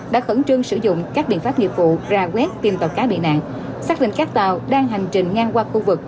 đã khẩn trương sử dụng các biện pháp nghiệp vụ ra quét tìm tàu cá bị nạn xác định các tàu đang hành trình ngang qua khu vực